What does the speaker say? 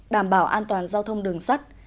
đảm bảo an toàn giao thông đường sắt